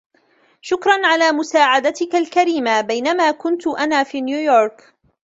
شكراً على مساعدتكَ الكريمة بينما كنت أنا في نيويورك.